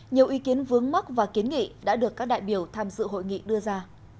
nhiều ý kiến vướng mắc và kiến nghị đã được các đại biểu tham dự hội nghị đưa ra